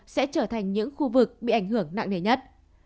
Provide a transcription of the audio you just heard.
sẽ trở thành những khu vực bị ảnh hưởng nặng nề nhất